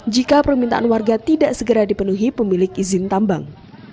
jika permintaan warga tidak segera dipenuhi pemilik izin tambang